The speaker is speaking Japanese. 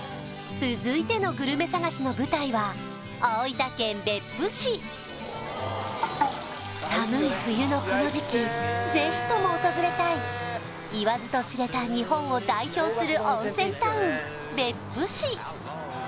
続いてのグルメ探しの舞台は寒い冬のこの時期ぜひとも訪れたい言わずと知れた別府市